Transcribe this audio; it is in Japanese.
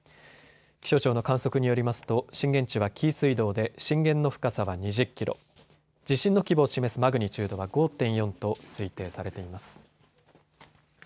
気象庁の観測によりますと震源地は紀伊水道で震源の深さは２０キロ、地震の規模を示すマグニチュードは５．４と推定されています。